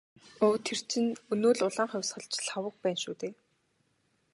Өө тэр хүн чинь өнөө л «улаан хувьсгалч» Лхагва юм байна шүү дээ.